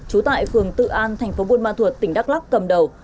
trú tại phường tự an tp buôn ma thuột tỉnh đắk lắc cầm đầu